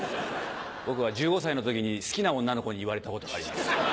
僕は１５歳の時に好きな女の子に言われたことがあります。